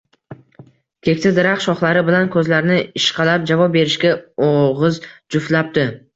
Keksa daraxt shoxlari bilan ko‘zlarini ishqalab, javob berishga og‘iz juftlabdi